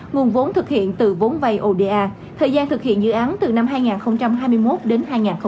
nguồn vốn thực hiện từ vốn vay oda thời gian thực hiện dự án từ năm hai nghìn hai mươi một đến hai nghìn hai mươi ba